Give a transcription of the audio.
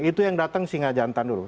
itu yang datang singa jantan dulu